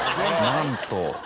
なんと。